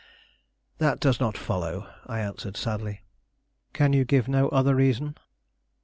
"That does not follow," I answered sadly. "Can you give no other reason?"